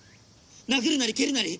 殴るなり蹴るなり